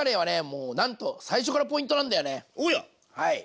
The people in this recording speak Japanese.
もうなんと最初からポイントなんだよね。